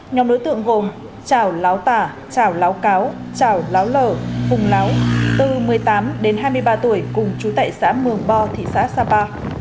nhóm đối tượng gồm chảo láo tả chảo láo cáo chảo láo lở hùng láo từ một mươi tám đến hai mươi ba tuổi cùng chú tệ xã mường bo thị xã sapa